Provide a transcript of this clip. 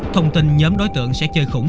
thông tin nhóm đối tượng sẽ chơi khủng